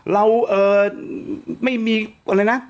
เราเอ่อไม่มีอะไรนะ